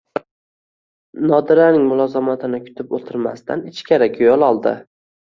Nodiraning mulozamatini kutib o`tirmasdan ichkariga yo`l oldi